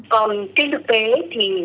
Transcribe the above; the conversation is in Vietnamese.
còn kinh thực tế thì